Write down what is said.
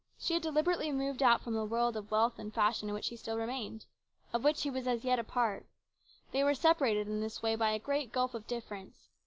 She had deliberately moved out from the world of wealth and fashion in which he still remained, of which he was yet a part. They were separated in this way by a great gulf of difference.